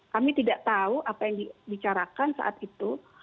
kami tidak tahu apa yang dibicarakan saat itu